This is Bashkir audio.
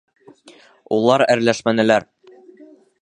Улар әрләшмәнеләр.